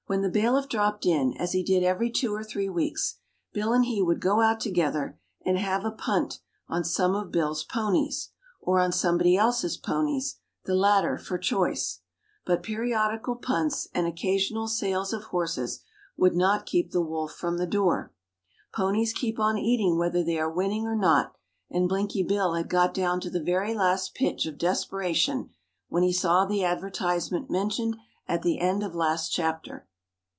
When the bailiff dropped in, as he did every two or three weeks, Bill and he would go out together, and "have a punt" on some of Bill's ponies, or on somebody else's ponies the latter for choice. But periodical punts and occasional sales of horses would not keep the wolf from the door. Ponies keep on eating whether they are winning or not and Blinky Bill had got down to the very last pitch of desperation when he saw the advertisement mentioned at the end of last chapter.